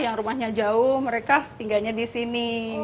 yang rumahnya jauh mereka tinggalnya disini